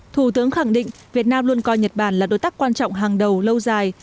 thủ tướng khẳng định việt nam luôn coi nhật bản là đối tác quan trọng hàng đầu lâu dài